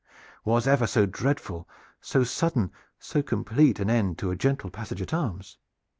Was ever so dreadful, so sudden, so complete, an end to a gentle passage at arms?